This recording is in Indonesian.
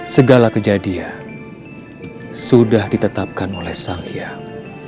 segala kejadian sudah ditetapkan oleh sang hyang